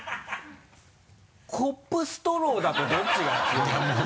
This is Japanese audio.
「コップストロー」だとどっちが強いのかな？